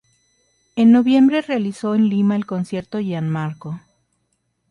En noviembre realizó en Lima el concierto "Gian Marco.